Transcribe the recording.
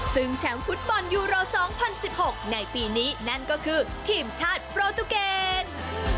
ซึ่งแชมป์ฟุตบอลยูโร๒๐๑๖ในปีนี้นั่นก็คือทีมชาติโปรตูเกณฑ์